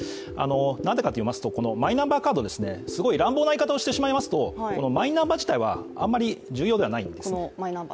なんでかといいますと、このマイナンバーカード乱暴な言い方をしてしまいますとマイナンバー自体はあんまり重要ではないんです。